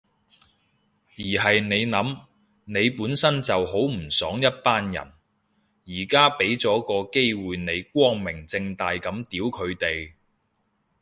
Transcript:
而係你諗，你本身就好唔爽一班人，而家畀咗個機會你光明正大噉屌佢哋